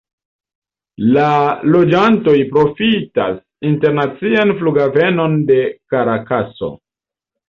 La loĝantoj profitas internacian flughavenon de Karakaso.